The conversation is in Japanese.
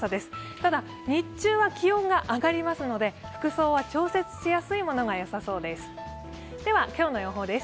ただ、日中は気温が上がりますので服装は調節しやすいものがよさそうです。